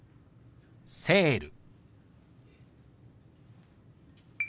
「セール」。